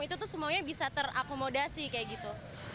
itu tuh semuanya bisa terakomodasi kayak gitu